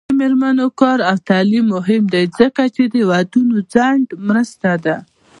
د میرمنو کار او تعلیم مهم دی ځکه چې ودونو ځنډ مرسته ده